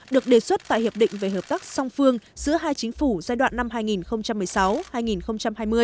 được đề xuất tại hiệp định về hợp tác song phương giữa hai chính phủ giai đoạn năm hai nghìn một mươi sáu hai nghìn hai mươi